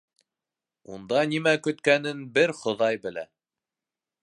Унда нимә көткәнен бер Хоҙай белә.